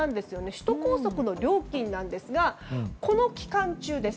首都高速の料金なんですがこの期間中です。